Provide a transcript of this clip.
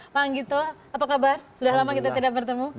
pak anggito apa kabar sudah lama kita tidak bertemu